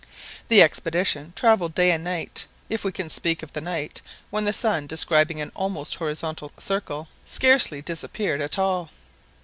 The expedition travelled day and night if we can speak of the night, when the sun, describing an almost horizontal circle, scarcely disappeared at all.